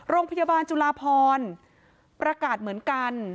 โรงพยาบาลจุลาพรประกาศเหมือนกัน